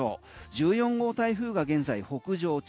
１４号台風が現在北上中。